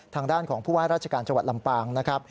ทางด้านของผู้ว่าราชการจังหวัดลำปางนะครับ